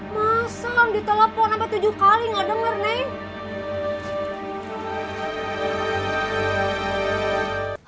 masa gak ditelepon sampai tujuh kali gak denger nenek